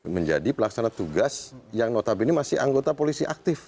menjadi pelaksana tugas yang notabene masih anggota polisi aktif